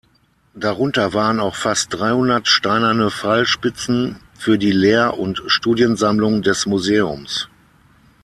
Darunter waren auch fast dreihundert steinerne Pfeilspitzen, für die Lehr- und Studiensammlung des Museums.